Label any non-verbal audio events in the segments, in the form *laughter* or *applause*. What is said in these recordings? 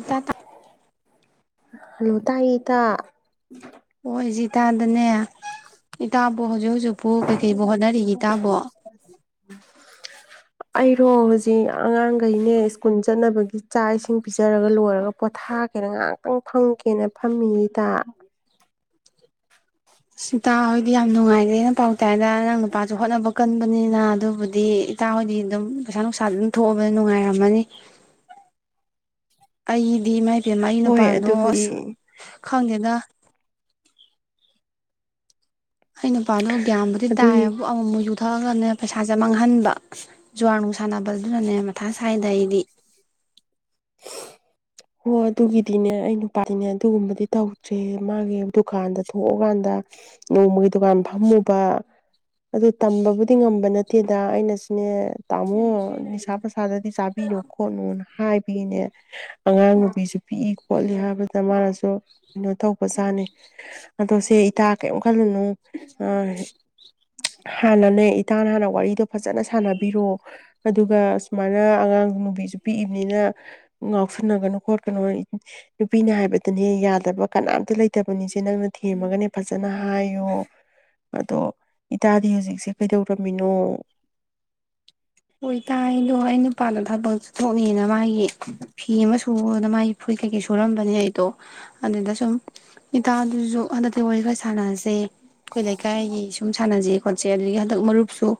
ꯏꯇꯥꯗ hello ꯇꯥꯏꯌꯦ ꯏꯇꯥ ꯍꯣꯏ ꯏꯇꯥꯗꯅꯦ ꯏꯇꯥꯕꯨ ꯍꯧꯖꯤꯛ ꯍꯧꯖꯤꯛ *inaudible* ꯑꯩꯔꯣ ꯍꯧꯖꯤꯛ ꯑꯉꯥꯡꯈꯩꯅꯦ ꯁ꯭ꯀꯨꯜ ꯆꯠꯅꯕꯒꯤ ꯆꯥꯛ ꯏꯁꯤꯡ ꯄꯤꯖꯔꯒ ꯂꯣꯏꯔꯒ ꯄꯣꯊꯥꯒꯦꯅ ꯉꯥꯏꯍꯥꯛꯇꯪ ꯐꯪꯒꯦꯅ ꯐꯝꯃꯤ ꯏꯇꯥ ꯏꯇꯥ ꯌꯥꯝ ꯅꯨꯡꯉꯥꯏꯔꯦꯅ ꯄꯥꯎꯇꯥꯏꯗ ꯅꯥꯅꯥꯎ ꯅꯨꯄꯥꯁꯨ ꯍꯣꯠꯅꯕ ꯀꯟꯕꯅꯤꯅ ꯑꯗꯨꯕꯨꯗꯤ ꯏꯇꯥ ꯍꯣꯏꯗꯤ ꯑꯗꯨꯝ ꯄꯩꯁꯥ ꯅꯨꯡꯁꯥ ꯑꯗꯨꯝ ꯊꯣꯛꯑꯕꯗ ꯅꯨꯡꯉꯥꯏꯔꯝꯃꯅꯤ ꯑꯩꯗꯤ ꯏꯃꯥꯏ ꯄꯦꯝꯃꯥ ꯑꯩ ꯍꯣꯏ ꯅꯨꯄꯥꯗꯣ ꯑꯗꯨꯕꯨꯗꯤ ꯈꯪꯗꯦꯗꯥ ꯑꯩ ꯅꯨꯄꯥꯗꯣ ꯒ꯭ꯌꯥꯟꯕꯨꯗꯤ ꯇꯥꯏ ꯑꯗꯨꯒꯤ ꯌꯦꯕꯨ ꯑꯃꯨꯛ ꯃꯨꯛ ꯌꯨ ꯊꯛꯑꯒꯅꯦ ꯄꯩꯁꯥꯁꯦ ꯃꯥꯡꯍꯟꯕ ꯖꯨꯋꯥꯔ ꯅꯨꯡ ꯁꯥꯟꯅꯕꯗꯨꯅꯅꯦ ꯃꯊꯥ ꯁꯥꯏꯗ ꯑꯩꯗꯤ ꯍꯣ ꯑꯗꯨꯒꯤꯗꯤꯅꯦ ꯑꯩ ꯅꯨꯄꯥꯗꯤꯅꯦ ꯑꯗꯨꯒꯨꯝꯕꯗꯤ ꯇꯧꯗ꯭ꯔꯦ ꯃꯥꯒꯤ ꯗꯨꯀꯥꯟꯗ ꯊꯣꯛꯑꯀꯥꯟꯗ ꯅꯣꯡꯃꯒꯤ ꯗꯨꯀꯥꯟ ꯐꯝꯃꯨꯕ ꯑꯗꯨ ꯇꯝꯕꯕꯨꯗꯤ ꯉꯝꯕ ꯅꯠꯇꯦꯗ ꯑꯩꯅ ꯁꯨꯅꯦ ꯇꯥꯝꯃꯣ ꯅꯤꯁꯥ ꯆꯥꯕꯤꯅꯨ ꯈꯣꯠꯅꯨ ꯅ ꯍꯥꯏꯕ ꯐꯩꯅꯦ ꯑꯉꯥꯡ ꯅꯨꯄꯤꯁꯨ ꯄꯤꯛꯏ ꯈꯣꯠꯂꯤ ꯍꯥꯏꯕꯗ ꯃꯥꯅꯁꯨ ꯑꯥ ꯀꯩꯅꯣ ꯇꯧꯕꯖꯥꯅꯤ ꯑꯗꯣ ꯁꯦ ꯏꯇꯥ ꯀꯔꯤꯝ ꯈꯜꯂꯅꯨ ꯍꯥꯟꯅꯅꯦ ꯏꯇꯥꯅ ꯍꯥꯟꯅ ꯋꯥꯔꯤꯗꯣ ꯐꯖꯅ ꯁꯥꯟꯅꯕꯤꯔꯣ ꯑꯗꯨꯒ ꯁꯨꯃꯥꯏꯅ ꯑꯉꯥꯡ ꯅꯨꯕꯤꯁꯨ ꯄꯤꯛꯏꯕꯅꯤꯅ ꯉꯥꯎꯁꯟꯅꯒꯅꯨ ꯈꯣꯠꯀꯅꯨ ꯅꯨꯄꯤꯅ ꯍꯥꯏꯕꯗꯅꯦ ꯌꯥꯗꯕ ꯀꯅꯥꯝꯇ ꯂꯩꯇꯕꯅꯤꯁꯦ ꯅꯪꯅ ꯊꯦꯝꯃꯒꯅꯦ ꯐꯖꯅ ꯍꯥꯏꯌꯣ ꯑꯗꯣ ꯏꯇꯥꯗꯤ ꯍꯧꯖꯤꯛꯁꯦ ꯀꯩꯗꯧꯔꯝꯃꯤꯅꯣ ꯍꯣꯏ ꯏꯇꯥ ꯑꯩꯗꯣ ꯑꯩ ꯅꯨꯄꯥꯗꯣ ꯊꯕꯛ ꯆꯠꯊꯣꯛꯅꯤꯅ ꯃꯥꯒꯤ ꯐꯤ ꯑꯃꯥ *inaudible* ꯑꯣ ꯑꯗꯥꯥ ꯃꯥꯏ ꯐꯨꯔꯤ ꯀꯩꯀꯩ ꯁꯨꯔꯝꯕꯅꯦ ꯑꯩꯗꯣ ꯑꯗꯨꯗ ꯁꯨꯝ ꯏꯇꯥꯗꯨꯁꯨ ꯍꯟꯗꯛꯇꯤ ꯋꯥꯔꯤꯈ ꯁꯥꯟꯅꯁꯦ ꯑꯩꯈꯣꯏ ꯂꯩꯀꯥꯏꯒꯤ ꯁꯨꯝ ꯁꯥꯟꯅꯖꯩ ꯈꯣꯠꯆꯦ ꯑꯗꯨꯗꯒꯤ ꯍꯟꯗꯛ ꯃꯔꯨꯞꯁꯨ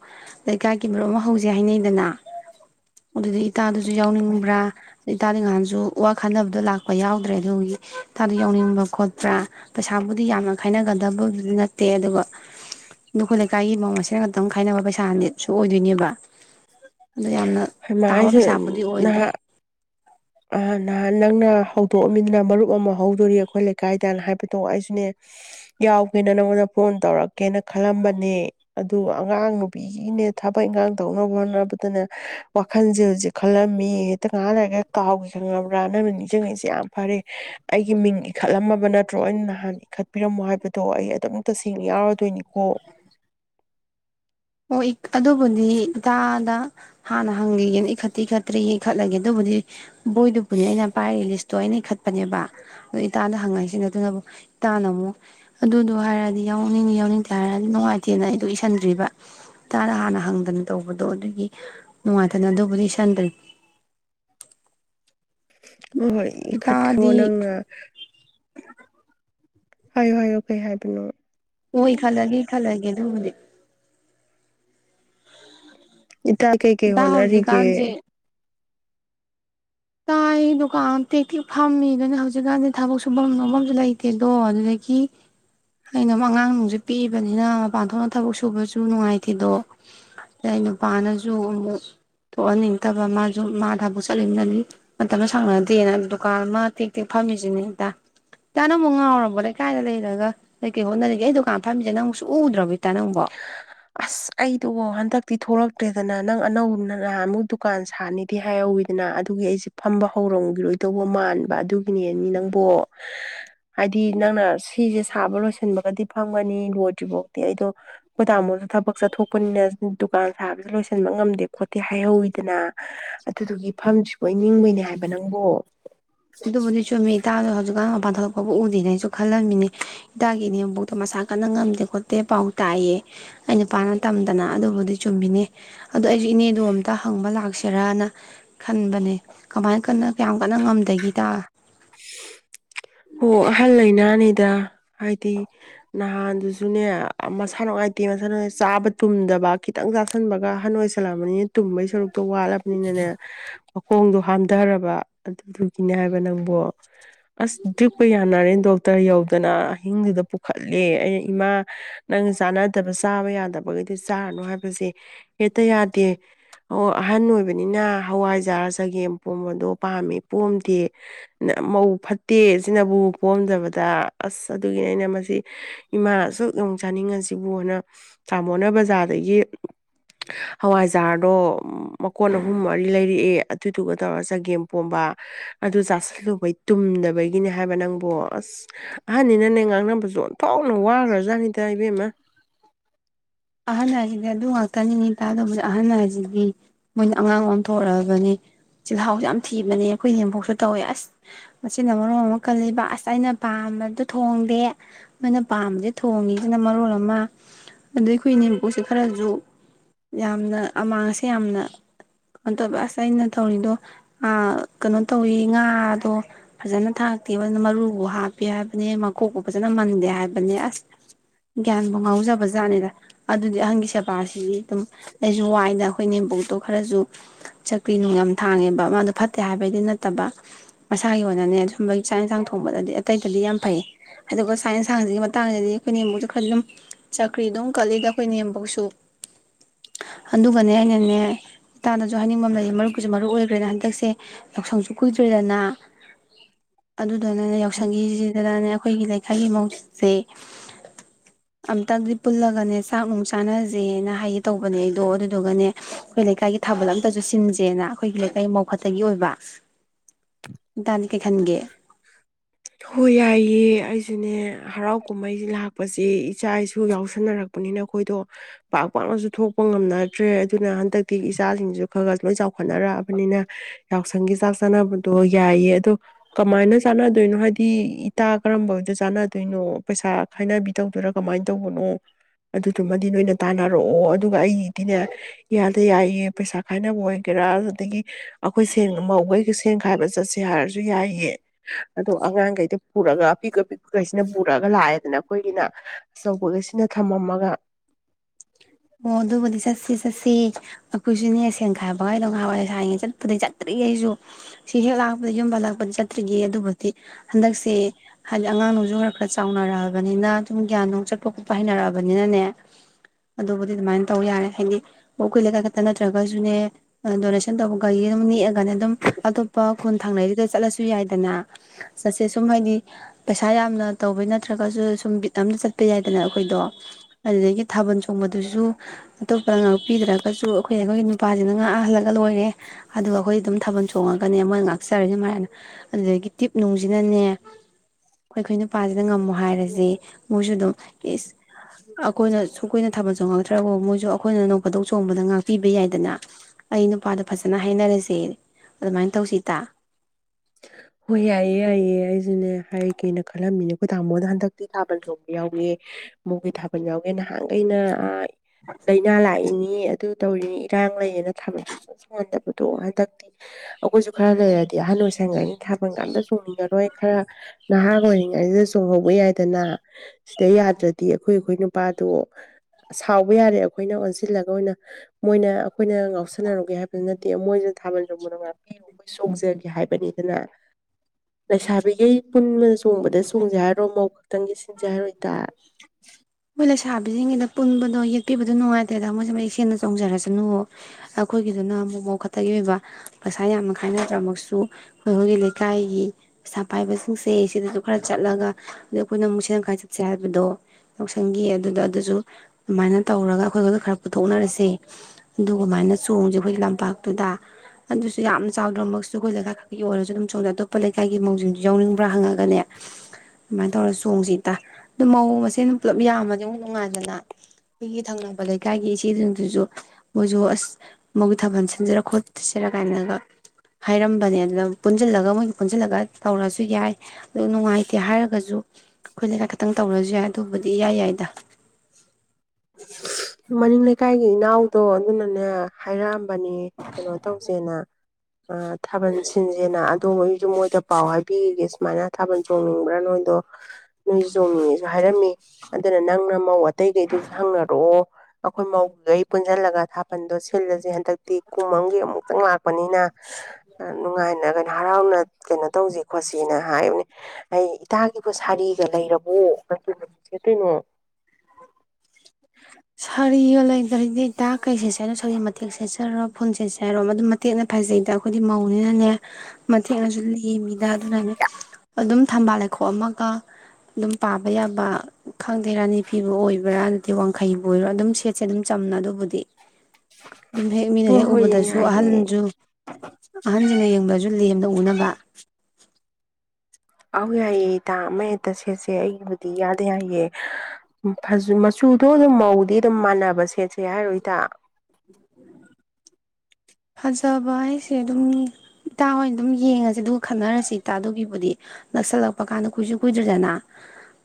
ꯂꯩꯀꯥꯏꯒꯤ ꯃꯔꯨꯞ ꯑꯃ ꯍꯧ ꯍꯥꯏꯅꯩꯗꯅ ꯑꯗꯨꯒꯤ ꯏꯇꯥꯗꯨꯁꯨ ꯌꯥꯎꯅꯤꯡꯕ꯭ꯔꯥ ꯏꯇꯥꯗꯤ ꯅꯍꯥꯟꯁꯨ ꯋꯥ ꯈꯟꯅꯕꯗꯣ ꯂꯥꯛꯄ ꯌꯥꯎꯗ꯭ꯔꯦ ꯑꯗꯨꯒꯤ ꯏꯇꯥꯗꯣ ꯌꯥꯎꯅꯤꯡꯕ ꯈꯣꯠꯄ꯭ꯔꯥ ꯄꯩꯁꯥꯕꯨꯗꯤ ꯌꯥꯝꯅ ꯈꯥꯏꯅꯒꯗꯕꯗꯨꯗꯤ ꯅꯠꯇꯦ ꯑꯗꯨꯒ ꯅꯈꯣꯏ ꯂꯩꯀꯥꯏꯒꯤ ꯃꯧ ꯃꯁꯦꯟ ꯉꯥꯇꯥ ꯈꯥꯏꯅꯕ ꯄꯩꯁꯥꯅꯦ ꯁꯣꯛꯑꯣꯏꯗꯣꯏꯅꯦꯕ ꯑꯗꯨ ꯌꯥꯝꯅ ꯍꯩꯃꯥ ꯇꯥꯕ ꯑꯩꯁꯨ ꯄꯩꯁꯥꯕꯨꯗꯤ ꯅꯍꯥ ꯑꯣꯏꯗ꯭ꯔꯦ ꯅꯍꯥꯟ ꯅꯪꯅ ꯍꯧꯗꯣꯛꯑꯃꯤꯅꯤꯅ ꯃꯔꯨꯞ ꯑꯃ ꯍꯧꯗꯣꯔꯤ ꯑꯩꯈꯣꯏ ꯂꯩꯀꯥꯏꯗꯅ ꯍꯥꯏꯕꯗꯣ ꯑꯩꯁꯨꯅꯦ ꯌꯥꯎꯒꯦꯅꯥ ꯅꯉꯣꯟꯗꯥ ꯐꯣꯟ ꯇꯧꯔꯛꯀꯦꯅ ꯈꯜꯂꯝꯕꯅꯦ ꯑꯗꯨ ꯑꯉꯥꯡ ꯅꯨꯄꯤꯒꯤꯅꯦ ꯊꯕꯛ ꯏꯪꯈꯥꯡ ꯇꯧꯅꯕ ꯍꯣꯠꯅꯕꯗꯅ ꯋꯥꯈꯜꯁꯦ ꯍꯧꯖꯤꯛ ꯈꯜꯂꯝꯃꯤ ꯍꯦꯛꯇ ꯉꯥꯏꯍꯥꯛ ꯂꯩꯔꯒ ꯀꯥꯎꯒꯤ ꯈꯪꯉꯕ꯭ꯔꯥ ꯅꯪꯅ ꯅꯤꯡꯁꯤꯡꯉꯏꯁꯦ ꯌꯥꯝ ꯐꯔꯦ ꯑꯩꯒꯤ ꯃꯤꯡ ꯏꯈꯠꯂꯝꯃꯕꯅꯦ ꯅꯠꯇ꯭ꯔꯣ ꯑꯩꯅ ꯅꯍꯥꯟ ꯏꯈꯠꯄꯤꯔꯝꯃꯣ ꯍꯥꯏꯕꯗꯣ ꯑꯩ ꯑꯗꯨꯝ ꯇꯁꯦꯡꯅ ꯌꯥꯎꯔꯥꯗꯣꯏꯅꯤꯀꯣ ꯍꯣꯏ ꯑꯗꯨꯕꯨꯗꯤ ꯏꯇꯥꯗ ꯍꯥꯟꯅ ꯍꯪꯈꯤꯒꯦꯅ ꯏꯈꯠꯇꯤ ꯏꯈꯠꯇ꯭ꯔꯤꯌꯦ ꯈꯠꯂꯒꯦ ꯑꯗꯨꯕꯨꯗꯤ ꯕꯣꯏꯗꯨꯕꯨꯅꯦ ꯑꯩꯅ ꯄꯥꯏꯔꯤ ꯂꯤꯁꯇ ꯗꯣ ꯑꯩꯅ ꯏꯈꯠꯄꯅꯦꯕ ꯑꯗꯣ ꯏꯇꯥꯗ ꯍꯪꯉꯛꯏꯁꯤꯅꯦ ꯑꯗꯨꯅꯕꯨ ꯏꯇꯥꯅ ꯑꯃꯨꯛ ꯑꯗꯨꯗꯣ ꯍꯥꯏꯔꯗꯤ ꯌꯥꯎꯅꯤꯡꯉ ꯌꯥꯎꯅꯤꯡꯗꯦ ꯍꯥꯏꯔꯗꯤ ꯅꯨꯡꯉꯥꯏꯇꯦꯅ ꯑꯩꯗꯣ ꯏꯁꯤꯟꯗ꯭ꯔꯤꯕ ꯏꯇꯥꯗꯥ ꯍꯥꯟꯅ ꯍꯪꯗꯅ ꯇꯧꯕꯗꯣ ꯑꯗꯨꯒꯤ ꯅꯨꯡꯉꯥꯏꯇꯅ ꯑꯗꯨꯕꯨꯗꯤ ꯁꯟꯗ꯭ꯔꯤ *inaudible* ꯍꯣꯏ ꯍꯣꯏ ꯏꯈꯠꯈꯔꯣ ꯅꯪꯅ ꯍꯥꯏꯌꯣ ꯍꯥꯏꯌꯣ ꯀꯩ ꯍꯥꯏꯕꯅꯣ ꯑꯣ ꯏꯈꯠꯂꯒꯦ ꯏꯈꯠꯂꯒꯦ ꯑꯗꯨꯕꯨꯗꯤ ꯏꯇꯥ ꯀꯩ ꯀꯩ ꯏꯇꯥ ꯍꯣꯠꯅꯥꯔꯤꯒ ꯍꯧꯖꯤꯛꯀꯥꯟꯁꯦ ꯇꯥꯏ ꯑꯩ ꯗꯨꯀꯥꯟ ꯇꯦꯛ ꯇꯦꯛ ꯐꯝꯃꯤ ꯑꯗꯨꯅ ꯍꯧꯖꯤꯛꯀꯥꯟꯗꯤ ꯊꯕꯛ ꯁꯨꯐꯝ ꯅꯣꯐꯝꯁꯨ ꯂꯩꯇꯦꯗꯣ ꯑꯗꯨꯗꯒꯤ ꯑꯩꯅ ꯑꯃꯛ ꯑꯉꯥꯡ ꯅꯨꯡꯁꯨ ꯄꯤꯏꯕꯅꯤꯅ ꯃꯄꯥꯟ ꯊꯣꯛꯅ ꯊꯕꯛ ꯁꯨꯕꯁꯨ ꯅꯨꯡꯉꯥꯏꯇꯦꯗꯣ ꯑꯗꯩ ꯅꯨꯄꯥꯅꯁꯨ ꯑꯃꯨꯛ ꯊꯣꯛꯍꯟꯅꯤꯡꯗꯕ ꯃꯥꯁꯨ ꯃꯥ ꯊꯕꯛ ꯆꯠꯂꯤꯂꯕꯥꯅꯤꯅꯥ ꯃꯇꯝꯗꯣ ꯁꯪꯅꯗꯦꯅ ꯗꯨꯀꯥꯟ ꯑꯃ ꯇꯦꯛ ꯇꯦꯛ ꯐꯝꯃꯤꯁꯤꯅꯦ ꯏꯇꯥ ꯏꯇꯥ ꯅꯪꯕꯨ ꯉꯥꯎꯔꯕꯣ ꯂꯩꯀꯥꯏꯗ ꯂꯩꯔꯒ ꯀꯀꯩ ꯍꯣꯠꯅꯔꯤꯒꯦ ꯑꯩ ꯗꯨꯀꯥꯟ ꯐꯝꯃꯤꯁꯦ ꯅꯪꯕꯨ ꯁꯨꯡꯎ ꯎꯗ꯭ꯔꯕꯣ ꯏꯇꯥ ꯅꯪꯕꯣ ꯑꯁ ꯑꯩꯗꯣ ꯍꯟꯗꯛꯇꯤ ꯊꯣꯛꯂꯛꯇ꯭ꯔꯦꯗꯅ ꯅꯪ ꯑꯅꯧ ꯅꯍꯥꯟ ꯑꯃꯨꯛ ꯗꯨꯀꯥꯟ ꯁꯥꯅꯤꯗꯤ ꯍꯥꯏꯍꯧꯋꯤꯗꯅ ꯑꯗꯨꯒꯤ ꯑꯩꯁꯦ ꯐꯝꯕ ꯍꯧꯔꯝꯈꯤꯔꯣꯏꯗꯧꯕ ꯃꯥꯟꯕ ꯑꯗꯨꯒꯤꯅꯦꯅꯤ ꯅꯪꯕꯣ ꯍꯥꯏꯗꯤ ꯅꯪꯅ ꯁꯤꯁꯦ ꯁꯥꯕ ꯂꯣꯏꯁꯤꯟꯕꯒꯗꯤ ꯐꯝꯒꯅꯤ ꯂꯣꯏꯗ꯭ꯔꯤꯕꯥꯎꯗꯤ ꯑꯩꯗꯣ ꯑꯩꯈꯣꯏ ꯇꯝꯃꯣ ꯑꯗꯨ ꯊꯕꯛ ꯆꯠꯊꯣꯛꯄꯅꯤꯅ ꯗꯨꯀꯥꯟ ꯁꯥꯕꯁꯨ ꯂꯣꯏꯁꯤꯟꯕ ꯉꯝꯗꯦ ꯈꯣꯠꯇꯦ ꯍꯥꯏꯍꯧꯋꯤꯗꯅ ꯑꯗꯨꯗꯨꯒꯤ ꯐꯝꯗꯔ꯭ꯤꯕꯣꯏ ꯅꯤꯡꯕꯩꯅꯦ ꯍꯥꯏꯕ ꯅꯪꯕꯣ ꯑꯗꯨꯗꯤ ꯆꯨꯝꯃꯦ ꯏꯇꯥꯗꯣ ꯍꯥꯖꯤꯛ ꯀꯥꯟ ꯄꯥꯟꯊꯣꯛꯛꯄꯕꯨ ꯎꯗꯦꯅꯦꯁꯨ ꯈꯜꯂꯝꯃꯤꯅꯦ ꯏꯇꯥꯒꯤ ꯏꯅꯦꯝꯕꯨꯇꯣ ꯃꯁꯥ ꯀꯟꯅ ꯉꯝꯗꯦ ꯈꯣꯠꯇꯦ ꯄꯥꯎ ꯇꯥꯏꯌꯦ ꯑꯩ ꯅꯨꯄꯥꯅ ꯇꯝꯗꯅ ꯑꯗꯨꯕꯨꯗꯤ ꯆꯨꯝꯃꯤꯅꯦ ꯑꯗꯣ ꯑꯩꯁꯨ ꯏꯅꯦꯗꯣ ꯑꯝꯇ ꯍꯪꯕ ꯂꯥꯛꯁꯤ ꯁꯦꯔꯥꯅ ꯈꯟꯕꯅꯦ ꯀꯃꯥꯏ ꯀꯟꯅ ꯀꯌꯥꯝ ꯀꯟꯅ ꯉꯝꯗꯒꯦ ꯏꯇꯥ ꯍꯣ ꯑꯍꯜ ꯂꯩꯅꯥꯅꯤꯗ ꯍꯥꯏꯗꯤ ꯅꯍꯥꯟꯗꯨꯁꯨꯅꯦ ꯃꯁꯥ ꯅꯨꯡꯉꯥꯏꯇꯦ ꯃꯁꯥ ꯅꯨꯡꯉꯥꯏꯇ ꯆꯥꯕ ꯇꯨꯝꯗꯕ ꯈꯤꯇꯪ ꯆꯥꯥꯁꯟꯕꯒ ꯑꯍꯟ ꯑꯣꯏꯁꯜꯂꯝꯕꯅꯤꯅ ꯇꯨꯝꯕꯩ ꯁꯔꯨꯛ ꯇꯣ ꯋꯥꯠꯂꯕꯅꯤꯅꯥꯅꯦ ꯃꯈꯣꯡꯗꯣ ꯍꯥꯝꯊꯔꯕ ꯑꯗꯨꯗꯨꯒꯤꯅꯦ ꯍꯥꯏꯕ ꯅꯪꯕꯣ *unintelligible* ꯍꯥꯟꯅꯔꯦꯟ ꯗꯣꯛꯇꯔ ꯌꯧꯗꯅ ꯑꯍꯤꯡꯗꯨꯗ ꯄꯨꯈꯠꯂꯦ ꯑꯩꯅꯥ ꯏꯃꯥ ꯅꯪꯒ ꯆꯥꯟꯅꯗꯕ ꯆꯥꯕ ꯌꯥꯗꯕꯈꯩꯗꯣ ꯆꯥꯔꯅꯨ ꯍꯥꯏꯕꯁꯦ ꯍꯦꯛꯇ ꯌꯥꯗꯦ ꯑꯣ ꯑꯍꯟ ꯑꯣꯏꯕꯅꯤꯅ ꯍꯋꯥꯏꯖꯥꯔ ꯆꯒꯦꯝ ꯄꯣꯝꯕꯗꯣ ꯄꯥꯝꯃꯤ ꯄꯣꯝꯗꯦ ꯃꯧ ꯐꯠꯇꯦ ꯁꯤꯅꯕꯨ ꯄꯣꯝꯗꯕꯗ ꯑꯁ ꯑꯗꯨꯒꯤꯅꯦ ꯑꯩꯅ ꯃꯁꯤ ꯏꯃꯥ ꯑꯁꯨꯛ ꯌꯧꯅ ꯆꯥꯅꯤꯡꯉꯁꯤꯕꯨꯅ ꯇꯥꯃꯣꯅ ꯕꯖꯥꯔꯗꯒꯤ ꯍꯋꯥꯏꯖꯥꯔꯗꯣ ꯃꯀꯣꯟ ꯑꯍꯨꯝ ꯃꯔꯤ ꯂꯩꯔꯛꯑꯦ ꯑꯗꯨꯗꯨꯒ ꯇꯧꯔꯒ ꯆꯒꯦꯝꯄꯣꯝꯕ ꯑꯗꯨ ꯆꯥꯁꯤꯜꯂꯨꯕꯩ ꯇꯨꯝꯗꯕꯒꯤ ꯒꯤꯅꯦ ꯍꯥꯏꯕ ꯅꯪꯕꯣ ꯑꯁ ꯑꯍꯟꯅꯤꯅꯅꯦ ꯉꯥꯡꯅꯕꯁꯨ ꯑꯃ ꯑꯣꯟꯊꯣꯛꯅꯥ ꯋꯥꯒꯔꯖꯥꯅꯤꯗ ꯏꯕꯦꯝꯃ ꯑꯍꯟ ꯍꯥꯏꯁꯤꯗꯤ ꯑꯗꯨ ꯉꯥꯛꯇꯅꯤꯅꯦ *unintelligible* ꯑꯍꯟ ꯍꯥꯏꯁꯤꯗꯤ ꯃꯣꯏꯗꯤ ꯑꯉꯥꯡ ꯑꯣꯟꯊꯣꯔꯛꯑꯕꯅꯤ ꯆꯤꯜꯍꯥꯎꯁꯨ ꯌꯥꯝ ꯊꯤꯕꯅꯦ ꯑꯩꯈꯣꯏ ꯏꯅꯦꯝꯕꯣꯛꯁꯨ ꯇꯧꯋꯦ ꯑꯁ ꯃꯆꯤꯟꯅ ꯃꯔꯣꯟ ꯑꯃ ꯀꯜꯂꯤꯕ ꯑꯁ ꯑꯩꯅ ꯄꯥꯝꯕꯗꯣ ꯊꯣꯡꯗꯦ ꯃꯣꯏꯅ ꯄꯥꯝꯖꯦ ꯊꯣꯡꯉꯤꯁꯤꯅ ꯃꯔꯣꯟ ꯑꯃ ꯑꯗꯨ ꯈꯣꯏ ꯏꯅꯦꯝꯕꯨꯣꯛꯁꯦ ꯈꯔꯁꯨ ꯌꯥꯝꯅ ꯑꯃꯥꯡ ꯑꯁꯦ ꯌꯥꯝꯅ ꯀꯩꯅꯣ ꯇꯧꯕ ꯑꯁ ꯑꯩꯅ ꯇꯧꯔꯤꯗꯣ ꯀꯩꯅꯣ ꯇꯧꯋꯤ ꯉꯥꯗꯣ ꯐꯖꯅ ꯊꯥꯛꯇꯦꯅ ꯃꯔꯨꯕꯨ ꯍꯥꯞꯄꯦ ꯍꯥꯏꯕꯅꯦ ꯃꯀꯣꯕꯨ ꯐꯖꯅ ꯃꯟꯗꯦ ꯍꯥꯏꯕꯅꯦ ꯑꯁ ꯒ꯭ꯌꯥꯟꯕꯨ ꯉꯥꯎꯖꯕ ꯖꯥꯠꯅꯤꯗ ꯑꯗꯨꯗꯤ ꯑꯍꯟꯒꯤ ꯁꯦꯕꯥꯁꯤꯗꯤ ꯑꯗꯨꯝ ꯑꯩꯁꯨ ꯋꯥꯏꯅ ꯑꯩꯈꯣꯏ ꯏꯅꯦꯝꯕꯣꯛꯇꯣ ꯈꯔꯁꯨ ꯆꯀ꯭ꯔꯤ ꯅꯨꯡ ꯌꯥꯝ ꯊꯥꯡꯉꯦꯕ ꯃꯥꯗꯣ ꯐꯠꯇꯦ ꯍꯥꯏꯕꯩꯗꯤ ꯅꯠꯇꯕ ꯃꯁꯥꯒꯤ ꯑꯣꯏꯅꯅꯦ ꯁꯨꯝꯕꯒꯤ ꯆꯥꯛ ꯌꯦꯟꯁꯥꯡ ꯊꯣꯡꯕꯗꯗꯤ ꯑꯇꯩꯗꯗꯤ ꯌꯥꯝ ꯐꯩ ꯑꯗꯨꯒ ꯆꯥꯛ ꯌꯦꯟꯁꯥꯡꯁꯤꯒꯤ ꯃꯇꯥꯡꯗꯗꯤ ꯑꯩꯈꯣꯏ ꯅꯦꯝꯕꯣꯛꯇꯣ ꯈꯔ ꯑꯗꯨꯝ ꯆꯀ꯭ꯔꯤ ꯑꯗꯨꯝ ꯀꯠꯂꯤꯗ ꯑꯩꯈꯣꯏꯅꯦꯝꯕꯣꯛꯁꯨ ꯑꯗꯨꯒꯅꯦ ꯑꯩꯅꯅꯦ ꯏꯇꯥꯗꯁꯨ ꯍꯥꯏꯅꯤꯡꯕ ꯑꯃ ꯂꯩ ꯃꯔꯨꯞꯀꯤꯁꯨ ꯃꯔꯨ ꯑꯣꯏꯈ꯭ꯔꯦꯅ ꯍꯟꯗꯛꯁꯦ ꯌꯥꯎꯁꯪꯁꯨ ꯀꯨꯏꯗ꯭ꯔꯦꯗꯅ ꯑꯗꯨꯗꯅꯅꯦ ꯎꯝ ꯌꯥꯎꯁꯪꯒꯤꯁꯤꯗꯅꯅꯦ ꯑꯩꯈꯣꯏꯒꯤ ꯂꯩꯀꯥꯏꯒꯤ ꯃꯧꯁꯤꯡꯁꯦ ꯑꯝꯇꯪꯗꯤ ꯄꯨꯜꯂꯒꯅꯦ ꯆꯥꯛ ꯅꯨꯡ ꯆꯥꯅꯖꯦꯅ ꯍꯥꯏꯒꯦ ꯇꯧꯕꯅꯦ ꯑꯩꯗꯣ ꯑꯗꯨꯗꯨꯒꯅꯦ ꯑꯩꯈꯣꯏ ꯂꯩꯀꯥꯏꯒꯤ ꯊꯥꯕꯜ ꯑꯝꯇꯁꯨ ꯁꯤꯟꯖꯦꯅ ꯑꯩꯈꯣꯏꯒꯤ ꯂꯩꯀꯥꯏꯒꯤ ꯃꯎ ꯈꯛꯇꯒꯤ ꯑꯣꯏꯕꯇꯥ ꯍꯣꯏ ꯌꯥꯏꯌꯦ ꯁꯨꯅꯦ ꯍꯔꯥꯎ ꯀꯨꯝꯍꯩꯁꯤ ꯂꯥꯛꯄꯁꯤ ꯏꯆꯥ ꯏꯁꯨ ꯌꯥꯎꯁꯟꯅꯔꯛꯄꯅꯤꯅ ꯑꯩꯈꯣꯏꯗꯣ ꯄꯥꯛ ꯄꯥꯛꯅꯁꯨ ꯊꯣꯛꯄ ꯉꯝꯅꯗ꯭ꯔꯦ ꯑꯗꯨꯅ ꯍꯟ ꯍꯟꯗꯛꯇꯤ ꯏꯆꯥꯁꯤꯡꯁꯨ ꯈꯈꯔ ꯂꯣꯏ ꯆꯥꯎꯈꯠꯅꯔꯛꯑꯕꯅꯤꯅ ꯌꯥꯎꯁꯪꯒꯤ ꯆꯥꯛ ꯆꯥꯅꯕꯗꯣ ꯌꯥꯏꯌꯦ ꯑꯗꯣ ꯀꯃꯥꯏꯅ ꯆꯥꯅꯗꯣꯏꯅꯣ ꯍꯥꯏꯗꯤ ꯏꯇꯥ ꯀꯔꯝꯕꯗ ꯆꯥꯟꯅꯗꯣꯏꯅꯣ ꯄꯩꯁꯥ ꯈꯥꯏꯅꯕꯤ ꯇꯧꯗꯣꯏꯔꯥ ꯀꯃꯥꯏꯅ ꯇꯧꯕꯅꯣ ꯑꯗꯨꯗꯨꯃꯗꯤ ꯅꯣꯏꯅ ꯇꯥꯟꯅꯔꯛꯑꯣ ꯑꯗꯨꯒ ꯑꯩꯗꯤꯅꯦ ꯏꯌꯥꯗ ꯌꯥꯏꯌꯦ ꯄꯩꯁꯥ ꯈꯥꯏꯅꯕ ꯑꯣꯏꯒꯦꯔꯥ ꯑꯗꯨꯗꯒꯤ ꯑꯩꯈꯣꯏ ꯁꯦꯡꯅ ꯃꯧꯒꯩ ꯁꯦꯟ ꯈꯥꯏꯕ ꯆꯠꯁꯦ ꯍꯥꯏꯔꯁꯨ ꯌꯥꯏꯌꯦ ꯑꯗꯣ ꯑꯉꯥꯡꯒꯩꯗꯤꯄꯨꯔꯒ ꯄꯤꯛꯇꯀ ꯄꯤꯛꯄꯈꯩꯁꯤꯅ ꯄꯨꯔꯛꯑꯒ ꯂꯥꯛꯑꯦꯗꯅ ꯑꯩꯈꯣꯏꯒꯤꯅ ꯑꯆꯧꯕꯈꯩꯁꯤꯅ ꯊꯝꯃꯝꯃꯒ ꯑꯣ ꯑꯗꯨꯕꯨꯗꯤ ꯆꯠꯁꯤ ꯆꯠꯁꯤ ꯑꯩꯈꯣꯏꯁꯨꯅꯦ ꯁꯦꯟ ꯈꯥꯏꯕꯒꯥꯏꯗꯣ ꯅꯍꯥꯟꯋꯏ ꯂꯩꯁꯔꯤꯉꯏ ꯆꯠꯄꯗꯩꯩ ꯆꯠꯇ꯭ꯔꯤ ꯑꯩꯁꯨ ꯁꯤ ꯍꯦꯛ ꯂꯥꯛꯄ ꯌꯨꯝ ꯆꯠꯇ꯭ꯔꯤꯌꯦ ꯑꯗꯨꯕꯨꯗꯤ ꯍꯟꯗꯛꯁꯦ ꯍꯥꯏꯗꯤ ꯑꯉꯥꯡꯗꯨꯁꯨ ꯈꯔ ꯈꯔ ꯆꯥꯎꯅꯔꯛꯑꯕꯅꯤꯅ ꯑꯗꯨꯝ ꯒ꯭ꯌꯥꯟ ꯅꯨꯡ ꯆꯠꯄ ꯈꯣꯠꯄ ꯍꯩꯅꯔꯛꯑꯕꯅꯤꯅꯅꯦ ꯑꯗꯨꯕꯨꯗꯤ ꯑꯗꯨꯃꯥꯏꯅ ꯇꯧ ꯌꯥꯔꯦ ꯍꯥꯏꯗꯤ ꯑꯩꯈꯣꯏ ꯂꯩꯀꯥꯏ ꯈꯛꯇ ꯅꯠꯇ꯭ꯔꯒꯁꯨꯅꯦ ꯗꯣꯅꯦꯁꯟ ꯇꯧꯕ ꯒꯥꯔꯤ ꯑꯗꯨꯝ ꯅꯦꯛꯑꯒꯅꯦ ꯑꯗꯨꯝ ꯑꯇꯣꯞꯄ ꯈꯨꯟ ꯊꯥꯡꯅꯩꯖꯤꯗ ꯆꯠꯂꯁꯨ ꯌꯥꯏꯗꯅ ꯆꯠꯁꯦ ꯁꯨꯝ ꯍꯥꯏꯗꯤ ꯄꯩꯁꯥ ꯌꯥꯝꯅ ꯇꯧꯕꯩ ꯅꯠꯇ꯭ꯔꯒꯁꯨ ꯁꯨꯝ ꯕꯤꯠ ꯑꯝꯗ ꯆꯠꯄ ꯌꯥꯏꯗꯅ ꯑꯩꯈꯣꯏꯗꯣ ꯑꯗꯨꯗꯒꯤ ꯊꯥꯕꯜꯁꯨ ꯆꯣꯕ ꯗꯨꯖꯨ ꯑꯇꯣꯞꯄ ꯉꯥꯛꯄꯤꯗ꯭ꯔꯒꯁꯨ ꯑꯩꯈꯣꯏ ꯑꯩꯏꯒꯤ ꯅꯨ ꯅꯨꯄꯥꯁꯤꯅ ꯉꯥꯛꯍꯜꯂꯒ ꯂꯣꯏꯔꯦ ꯑꯗꯨꯒ ꯑꯩꯈꯣꯏ ꯑꯗꯨꯝ ꯊꯥꯕꯜ ꯆꯣꯡ ꯉꯒꯅꯦ ꯃꯣꯏꯅ ꯉꯥꯛꯆꯔ ꯑꯗꯨꯃꯥꯏꯅ ꯑꯗꯨꯗꯒꯤ ꯇꯤꯞꯅꯨꯡꯁꯤꯅꯅꯦ ꯑꯩꯈꯣꯏ ꯑꯩꯈꯣꯏ ꯅꯨꯄꯥꯁꯤꯅ ꯉꯝꯃꯨ ꯍꯥꯏꯔꯖꯦ ꯃꯣꯏꯁꯨ ꯑꯗꯨꯝ ꯏꯁ ꯑꯩꯈꯣꯏꯅ ꯁꯨꯛꯀꯨꯏꯅ ꯊꯕꯥꯜ ꯆꯣꯡꯍꯧꯗꯔ꯭ꯕꯨ ꯃꯣꯏꯁꯨ ꯑꯩꯈꯣꯏꯅ ꯅꯣꯡ ꯐꯗꯣꯛ ꯆꯣꯡꯕꯗ ꯉꯥꯛꯄꯤꯕ ꯌꯥꯏꯗꯅ ꯑꯩ ꯅꯨꯄꯥꯗꯣ ꯐꯖꯅ ꯍꯥꯏꯅꯔꯁꯦ ꯑꯗꯨꯃꯥꯏꯅ ꯇꯧꯁꯤ ꯇ ꯍꯣꯏ ꯌꯥꯏꯌꯦ ꯌꯥꯏꯌꯦ ꯑꯩꯖꯨꯅꯦ ꯍꯥꯏꯒꯦꯅ ꯈꯜꯂꯝꯃꯤꯅꯦ ꯈꯣꯏ ꯇꯥꯃꯣꯗ ꯍꯟꯗꯛꯇꯤ ꯊꯥꯕꯜ ꯆꯣꯡꯕ ꯌꯥꯎꯒꯦ ꯃꯣꯎꯒꯤ ꯊꯥꯕꯜ ꯌꯥꯎꯒꯦ ꯅꯍꯥꯟꯒꯩꯅ ꯑꯥ ꯂꯩꯅꯥ ꯂꯥꯛꯏꯅꯤ ꯑꯗꯨ ꯇꯧꯔꯤꯅꯦ ꯏꯔꯥꯡ ꯂꯩꯌꯦꯅ ꯊꯥꯕꯜ ꯁꯨꯆꯣꯡ ꯆꯣꯡꯍꯟꯗꯕꯗꯣ ꯍꯟꯗꯛꯇꯤ ꯑꯩꯈꯣꯏꯁꯨ ꯈꯔ ꯂꯩꯔꯗꯤ ꯑꯍꯟ ꯑꯣꯏ *unintelligible* ꯊꯥꯕꯜ ꯀꯥꯟꯗ ꯆꯣꯡꯅꯤꯡꯉꯔꯣꯏ ꯈꯔ ꯅꯍꯥ ꯑꯣꯏꯔꯤꯉꯩꯁꯤꯗ ꯆꯣꯡꯍꯧꯕ ꯌꯥꯏꯗꯅ ꯁꯤꯗ ꯌꯥꯗ꯭ꯔꯗꯤ ꯑꯈꯣꯏ ꯑꯈꯣꯏ ꯅꯨꯄꯥꯗꯣ ꯁꯥꯎꯕ ꯌꯥꯔꯦ ꯑꯈꯣꯏꯅ ꯑꯣꯟꯁꯤꯜꯂꯒ ꯑꯣꯏꯅ ꯃꯣꯏꯅ ꯑꯈꯣꯏꯅ ꯉꯥꯎꯁꯟꯅꯔꯨꯒꯦ ꯍꯥꯏꯕ ꯅꯠ ꯃꯣꯏꯁꯨ ꯊꯥꯕꯜ ꯆꯣꯡꯕꯗ ꯉꯥꯛꯄꯤꯌꯨ ꯆꯣꯡꯖꯒꯦ ꯍꯥꯏꯕꯅꯤ *unintelligible* ꯂꯩꯁꯥꯕꯤꯈꯩ ꯄꯨꯟ *unintelligible* *unintelligible* *unintelligible* ꯏꯇꯥ ꯃꯣꯏ ꯂꯩꯁꯥꯕꯤꯁꯤꯡꯒꯤꯅ ꯄꯨꯟꯕꯗꯣ ꯌꯦꯠꯄꯤꯕꯗꯣ ꯅꯨꯡꯉꯥꯏꯇꯦꯗ ꯃꯣꯏꯁꯨ ꯃꯌꯦꯛ ꯁꯦꯡꯅ ꯆꯣꯡꯖꯔꯁꯅꯨ ꯑꯩꯈꯣꯏꯒꯤꯗꯨꯅ ꯃꯧ ꯈꯛꯇꯒꯤ ꯑꯣꯏꯕ ꯄꯩꯁꯥ ꯌꯥꯝꯅ ꯈꯥꯏꯅꯗ꯭ꯔ ꯑꯃꯨꯛꯁꯨ ꯑꯩꯈꯣꯏ ꯑꯩꯈꯣꯏꯒꯤ ꯂꯩꯀꯥꯏꯒꯤ ꯄꯩꯁꯥ ꯄꯥꯏꯕꯁꯤꯡꯁꯦ ꯁꯤꯗꯁꯨ ꯈꯔ ꯆꯠꯂꯒ ꯑꯗ ꯑꯩꯈꯣꯏꯅ *unintelligible* ꯆꯠꯁꯦ ꯍꯥꯏꯕꯗꯣ ꯌꯥꯎꯁꯪꯒꯤ ꯑꯗꯨꯗ ꯑꯗꯨꯁꯨ ꯑꯗꯨꯃꯥꯏꯅ ꯇꯧꯔꯒ ꯑꯩꯈꯣꯏ ꯈꯔ ꯈꯔ ꯄꯨꯊꯣꯛꯅꯔꯁꯦ ꯑꯗꯨꯒꯨꯃꯥꯏꯅ ꯆꯣꯡꯁꯦ ꯑꯩꯈꯣꯏꯒꯤ ꯂꯝꯄꯥꯛꯇꯨꯗ ꯑꯗꯨꯁꯨ ꯌꯥꯝ ꯆꯥꯎꯗ꯭ꯔꯃꯛꯁꯨ ꯑꯩꯈꯣꯏ ꯂꯩꯀꯥꯏ ꯈꯛꯒꯤ ꯑꯣꯏꯔꯁꯨ ꯑꯗꯨꯝ ꯆꯣꯡꯗ ꯑꯇꯣꯞꯄ ꯂꯩꯀꯥꯏꯒꯤ *unintelligible* ꯌꯥꯎꯅꯤꯡꯕ꯭ꯔꯥ ꯍꯪꯉꯛꯒꯅꯦ ꯑꯗꯨꯃꯥꯏꯅ ꯇꯧꯔꯁꯨ ꯆꯣꯡꯁꯤ ꯑꯗꯨ ꯃꯧ ꯃꯁꯦꯟ ꯑꯗꯨꯝ ꯄꯨꯂꯞ ꯌꯥꯝꯃꯗꯤ ꯑꯃꯨꯛ ꯅꯨꯡꯉꯥꯏꯗꯅ ꯑꯩꯈꯣꯏꯒꯤ ꯊꯪꯅꯕ ꯂꯩꯀꯥꯏꯒꯤ *unintelligible* ꯑꯗꯨꯁꯨ ꯃꯣꯏꯁꯨ ꯑꯁ ꯃꯧꯒꯤ ꯊꯥꯕꯜ ꯁꯤꯟꯖꯔ ꯈꯣꯠꯁꯤꯔ ꯀꯥꯏꯅꯒ ꯍꯥꯏꯔꯝꯕꯅꯦ ꯑꯗꯨꯅ ꯄꯨꯟꯁꯤꯜꯂꯒ ꯃꯣꯏ ꯄꯨꯟꯁꯤꯜꯂꯒ ꯇꯧꯔꯁꯨ ꯌꯥꯏ ꯑꯗꯨ ꯅꯨꯡꯉꯥꯏꯇꯦ ꯍꯥꯏꯔꯒꯁꯨ ꯑꯩꯈꯣꯏ ꯂꯩꯀꯥꯏ ꯈꯇꯪ ꯇꯧꯔꯁꯨ ꯌꯥꯏ ꯑꯗꯨꯕꯨꯗꯤ ꯏꯌꯥ ꯌꯥꯏꯗ *unintelligible* ꯀꯥꯏꯒꯤ ꯏꯅꯥꯎꯗꯣ ꯑꯗꯨꯅꯅꯦ *unintelligible* *unintelligible* ꯀꯩꯅꯣ ꯇꯧꯁꯦꯅ ꯊꯥꯕꯜ ꯁꯤꯟꯁꯦꯅ *unintelligible* ꯃꯣꯏꯗ ꯄꯥꯎ ꯍꯥꯏꯕꯤꯈꯤꯒꯦ ꯁꯨꯃꯥꯏꯅ ꯊꯥꯕꯜ ꯆꯣꯡꯅꯤꯡꯕ꯭ꯔꯥ ꯅꯣꯏꯗꯣ ꯅꯣꯏ ꯆꯣꯡꯅꯤꯡꯉꯤꯁꯨ ꯍꯥꯏꯔꯝꯃꯤ ꯑꯗꯨꯅ ꯅꯪꯅ ꯃꯧ ꯑꯇꯩꯈꯩꯗꯨꯁꯨ ꯍꯪꯅ *unintelligible* ꯔꯛꯑꯣ ꯑꯩꯈꯣꯏ ꯃꯧꯒꯩ ꯄꯨꯟꯁꯤꯜꯂꯒ ꯊꯥꯕꯜꯗꯣ ꯁꯤꯜꯂꯁꯦ ꯍꯟꯗꯛꯇꯤ ꯀꯨꯝꯝꯒꯤ ꯑꯃꯨꯛꯇꯪ ꯂꯥꯛꯄꯅꯤꯅ ꯅꯨꯡꯉꯥꯏꯅ ꯀꯩꯅꯣ ꯍꯔꯥꯎꯅ ꯀꯩꯅꯣ ꯇꯧꯁꯤ ꯈꯣꯠꯁꯤꯅ ꯍꯥꯏꯕꯅꯦ ꯑꯩ ꯏꯇꯥꯒꯤꯕꯨ ꯁꯥꯔꯤꯒ ꯂꯩꯔꯕꯣ *unintelligible* ꯁꯦꯠꯇꯣꯏꯅꯣ ꯁꯥꯔꯤꯒꯥ *unintelligible* ꯑꯗꯨꯗꯤ ꯏꯇꯥ ꯀꯩ *unintelligible* *unintelligible* ꯁꯦꯠ *unintelligible* ꯐꯨꯟ ꯁꯦꯇꯁꯦꯍꯥꯏꯔꯣ *unintelligible* ꯃꯇꯦꯛꯅ ꯐꯖꯩꯗ ꯑꯩꯈꯣꯏꯗꯤ ꯃꯧꯅꯤꯅꯅꯦ *unintelligible* *unintelligible* ꯑꯗꯨꯅꯅꯦ ꯑꯗꯨꯝ ꯊꯝꯕꯥꯜ ꯂꯩꯈꯣꯛ ꯑꯃꯒ ꯑꯗꯨꯝ ꯄꯥꯕ ꯌꯥꯕ ꯈꯪꯗꯦꯔꯥꯅꯤ ꯐꯤꯕꯨ ꯑꯣꯏꯕ꯭ꯔꯥ ꯑꯗꯩꯩ ꯋꯥꯡꯈꯩꯕꯨ ꯑꯣꯏꯔꯣ ꯑꯗꯨꯝ ꯁꯦꯠꯁꯦ ꯑꯗꯨꯝ ꯆꯝꯅ ꯑꯗꯨꯕꯨꯗꯤ ꯑꯗꯨꯝ ꯍꯦꯛ ꯃꯤꯅ ꯍꯣꯏ ꯍꯦꯛ ꯍꯣꯏꯌꯦ ꯎꯕꯗꯁꯨ ꯌꯥꯏꯌꯦ ꯑꯍꯟꯁꯨ ꯑꯍꯟꯁꯤꯡꯅ ꯌꯦꯡꯕꯗꯁꯨ ꯂꯦꯝꯅ ꯎꯅꯕ ꯑꯪ ꯌꯥꯏꯌꯦ *unintelligible* ꯑꯩꯕꯨꯗꯤ ꯌꯥꯗ ꯌꯥꯏꯌꯦ ꯃꯆꯨꯗꯣ ꯑꯗꯨꯝ ꯃꯧꯗꯤ ꯑꯗꯨꯝ ꯃꯥꯟꯅꯕ ꯁꯦꯠꯁꯦ ꯍꯥꯏꯔꯣꯏꯗ ꯐꯖꯕ ꯍꯥꯏꯁꯦ ꯑꯗꯨꯝ ꯏꯇꯥ ꯍꯣꯏꯅ ꯑꯗꯨꯝ ꯌꯦꯡꯉꯁꯤ ꯑꯗꯨꯒ ꯈꯟꯅꯔꯁꯤ ꯏꯇꯥꯗꯨꯒꯤꯕꯨꯗꯤ ꯅꯛꯁꯜꯂꯛꯄ ꯀꯥꯟꯗ ꯀꯨꯏꯁꯨ ꯀꯨꯏꯗ꯭ꯔꯦꯗꯅ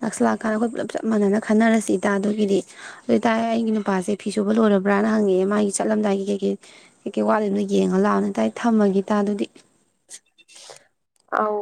ꯅꯛꯁꯜꯂꯛꯑꯀꯥꯟꯗ ꯑꯩꯈꯣꯏ ꯄꯨꯂꯞ ꯆꯞ ꯃꯥꯟꯅꯅ ꯈꯟꯅꯔꯁꯤ ꯏꯇꯥꯗꯨꯒꯤꯗꯤ ꯑꯗꯨ ꯏꯇꯥꯥꯏ ꯑꯩꯒꯤ ꯅꯨꯄꯥꯁꯦ ꯐꯤ ꯁꯨꯕ ꯂꯣꯏꯔꯕ꯭ꯔꯅ ꯍꯪꯉꯛꯑꯦ ꯃꯥꯒꯤ ꯆꯠꯂꯝꯗꯥꯏꯒꯤ ꯀꯩꯀꯩ ꯀꯩꯀꯩ ꯋꯥꯠꯂꯤꯦꯅꯣ ꯌꯦꯡꯉꯂꯥꯛꯑꯕꯅ ꯏꯇꯥ ꯊꯝꯃꯒꯦ ꯑꯗꯨꯗꯤ ꯑꯧ